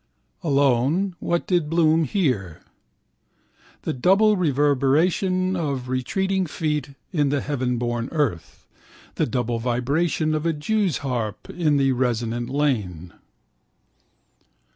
Alone, what did Bloom hear? The double reverberation of retreating feet on the heavenborn earth, the double vibration of a jew's harp in the resonant lane.